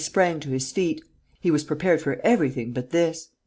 ] Lupin sprang to his feet. He was prepared for everything but this.